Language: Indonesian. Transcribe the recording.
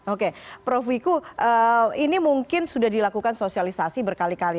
oke prof wiku ini mungkin sudah dilakukan sosialisasi berkali kali